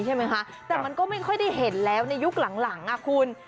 ใช่ไหมคะแต่มันก็ไม่ค่อยได้เห็นแล้วในยุคหลังอ่ะคุณ